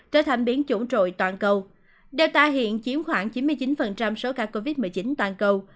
trở thành biến chủng trội toàn cầu data hiện chiếm khoảng chín mươi chín số ca covid một mươi chín toàn cầu